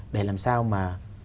để làm sao mà